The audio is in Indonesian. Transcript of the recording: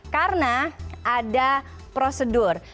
karena ada prosedur